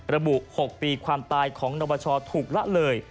ระบุ๖ปีความตายของนบชถูกละเลย